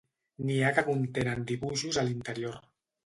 N'hi ha que contenen dibuixos a l'interior.